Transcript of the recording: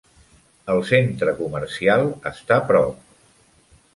El centre comercial està prop.